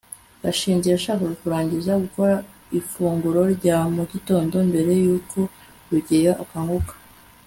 gashinzi yashakaga kurangiza gukora ifunguro rya mu gitondo mbere yuko rugeyo akanguka